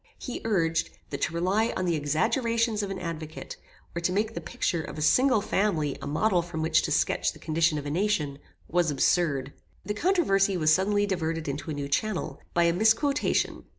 He urged, that to rely on the exaggerations of an advocate, or to make the picture of a single family a model from which to sketch the condition of a nation, was absurd. The controversy was suddenly diverted into a new channel, by a misquotation.